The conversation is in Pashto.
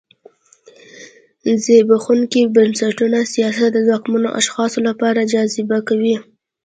زبېښونکي بنسټونه سیاست د ځواکمنو اشخاصو لپاره جذابه کوي.